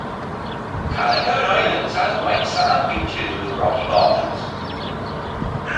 Calicoan Island has white sand beaches with rocky bottoms.